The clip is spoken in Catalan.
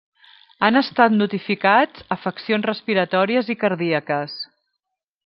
Han estat notificats afeccions respiratòries i cardíaques.